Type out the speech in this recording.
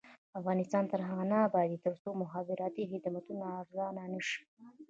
افغانستان تر هغو نه ابادیږي، ترڅو مخابراتي خدمتونه ارزانه نشي.